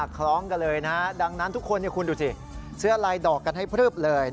คล้องกันเลยนะฮะดังนั้นทุกคนคุณดูสิเสื้อลายดอกกันให้พลึบเลย